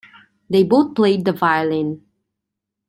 They both played the violin.